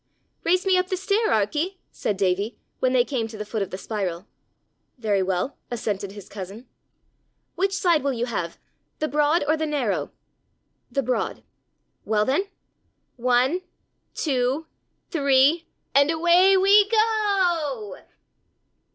"Race me up the stair, Arkie," said Davie, when they came to the foot of the spiral. "Very well," assented his cousin. "Which side will you have the broad or the narrow?" "The broad." "Well then one, two, three, and away we go!"